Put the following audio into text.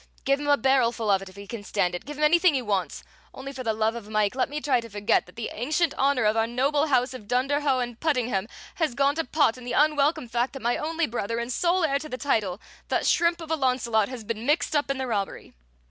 Give him a barrelful of it if he can stand it, give him anything he wants! only for the love of Mike let me try to forget that the ancient honor of our noble House of Dunderhaugh and Puddingham has gone to pot in the unwelcome fact that my only brother and sole heir to the title, that shrimp of a Launcelot, has been mixed up in the robbery!"